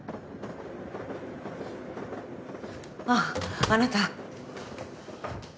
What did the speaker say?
あっあなた。